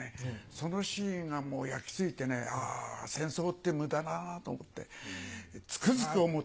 そのシーンがもう焼き付いてね「あぁ戦争って無駄だな」と思ってつくづく思って。